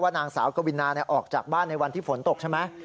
นางสาวกวินาออกจากบ้านในวันที่ฝนตกใช่ไหม